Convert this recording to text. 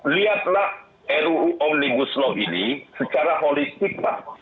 lihatlah ruu omnibus law ini secara holistik pak